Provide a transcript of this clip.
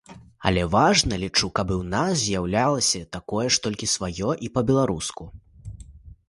Але важна, лічу, каб і ў нас з'яўлялася такое ж толькі сваё і па-беларуску.